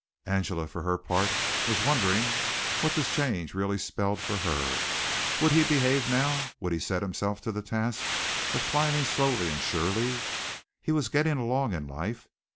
Angela, for her part, was wondering what this change really spelled for her. Would he behave now? Would he set himself to the task of climbing slowly and surely? He was getting along in life.